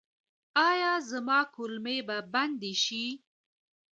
ایا زما کولمې به بندې شي؟